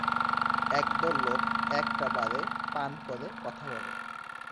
একদল লোক একটা বারে পান করে কথা বলে।